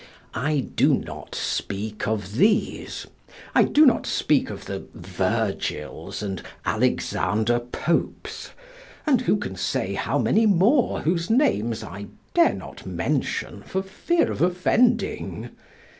I do not speak of these, I do not speak of the Virgils and Alexander Popes, and who can say how many more whose names I dare not mention for fear of offending.